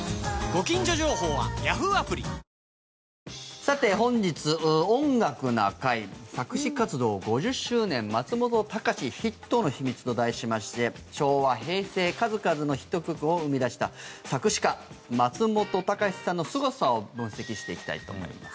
さて、本日「音楽な会」作詞活動５０周年、松本隆ヒットの秘密と題しまして昭和、平成数々のヒット曲を生み出した作詞家・松本隆さんのすごさを分析していきたいと思います。